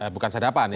bukan sadapan ya